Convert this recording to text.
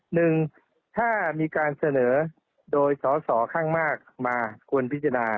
หนึ่งถ้ามีการเสนอโดยสอสอข้างมากมาควรพิจารณา